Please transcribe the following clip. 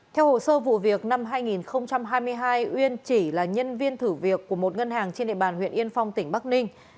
theo hồ sơ vụ việc năm hai nghìn hai mươi hai uyên chỉ là nhân viên thử việc của một ngân hàng trên địa bàn huyện yên phong tỉnh bắc ninh